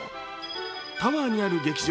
タワーにある劇場